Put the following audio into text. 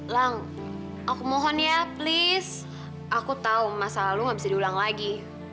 lang aku mohon ya please aku tahu masa lalu gak bisa diulang lagi